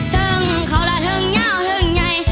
เต้นเค้าละเทียงยาวเทียงใย